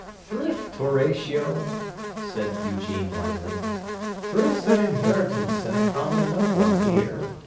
"Thrift, Horatio!" said Eugene lightly. "Thrift's an inheritance, and a common enough one here.